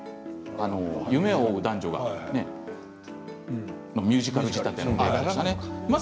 夢を追う男女がミュージカル仕立ての映画でしたね。